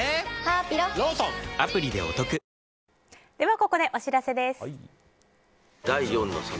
ここでお知らせです。